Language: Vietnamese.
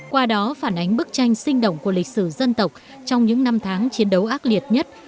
qua đó phản ánh bức tranh sinh động của lịch sử dân tộc trong những năm tháng chiến đấu ác liệt nhất